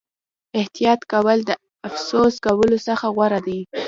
احتیاط کول د افسوس کولو څخه غوره دي.